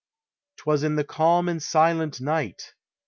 'T was in the calm and silent night!